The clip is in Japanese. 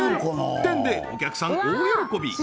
ってんでお客さん大喜び！